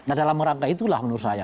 nah dalam rangka itulah menurut saya